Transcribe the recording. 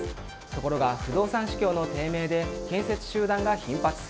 ところが、不動産市況の低迷で建設中断が頻発。